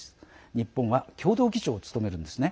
日本は共同議長を務めるんですね。